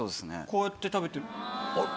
こうやって食べてあっ？